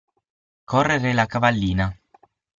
Correre la cavallina.